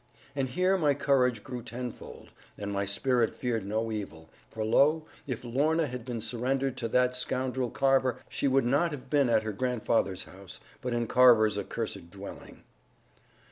And here my courage grew tenfold, and my spirit feared no evil; for lo! if Lorna had been surrendered to that scoundrel Carver, she would not have been at her grandfather's house, but in Carver's accursed dwelling.